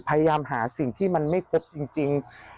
พยายามหาสิ่งที่มันไม่พบจริง